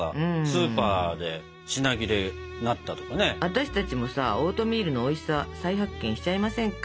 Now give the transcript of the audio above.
私たちもさオートミールのおいしさ再発見しちゃいませんか？